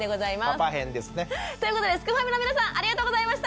パパ編ですね。ということですくファミの皆さんありがとうございました。